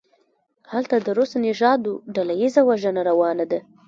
هلته د روس نژادو ډله ایزه وژنه روانه ده.